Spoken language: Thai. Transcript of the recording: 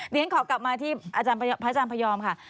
นี่อย่างนั้นขอกลับมาที่พระอาจารย์พระยอมค่ะ